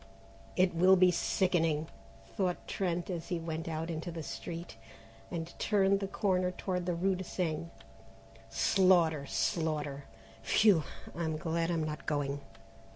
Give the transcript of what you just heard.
"It will be sickening," thought Trent as he went not into the street and turned the corner toward the rue de Seine; "slaughter, slaughter, phew! I'm glad I'm not going."